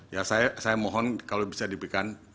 ya saya mohon kalau bisa diberikan